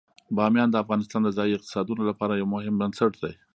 بامیان د افغانستان د ځایي اقتصادونو لپاره یو مهم بنسټ دی.